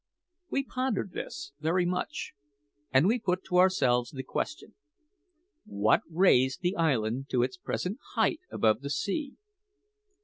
We pondered this very much; and we put to ourselves the question, "What raised the island to its present height above the sea?"